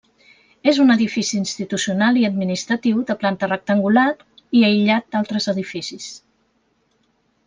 És un edifici institucional i administratiu de planta rectangular i aïllat d'altres edificis.